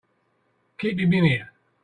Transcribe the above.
Keep him in here!